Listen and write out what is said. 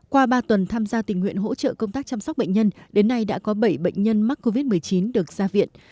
qua ba tuần tham gia tình nguyện hỗ trợ công tác chăm sóc bệnh nhân đến nay đã có bảy bệnh nhân mắc covid một mươi chín được ra viện